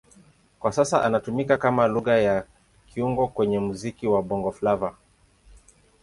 Kwa sasa inatumika kama Lugha ya kiungo kwenye muziki wa Bongo Flava.